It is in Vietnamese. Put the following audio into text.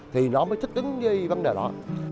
thì nó mới thích đứng với vấn đề đó